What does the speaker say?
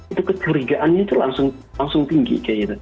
itu keturigaannya itu langsung tinggi